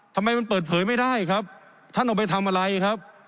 ทำไมมันเปิดเผยไม่ได้ครับท่านเอาไปทำอะไรครับ